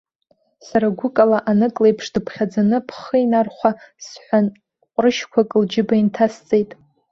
Сара гәыкала, анык леиԥш дыԥхьаӡаны, бхы инархәа сҳәан, ҟәрышьқәак лџьыба инҭасҵеит.